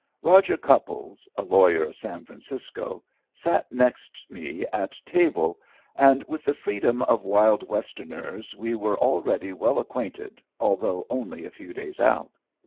Roger Cupples, a lawyer of San Francisco, sat next me at table, and with the freedom of wild Westerners we were already well acquainted, although only a few days out.